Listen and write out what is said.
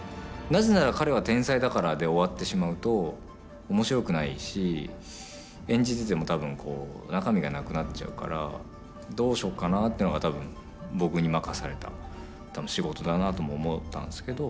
「なぜなら彼は天才だから」で終わってしまうと面白くないし演じてても多分中身がなくなっちゃうからどうしようかなというのが多分僕に任された仕事だなとも思ったんですけど。